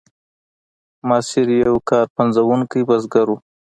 ماسیر یو کار پنځوونکی بزګر و.